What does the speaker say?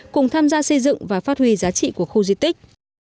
cùng tham gia xây dựng và phát huy giá trị của khu di tích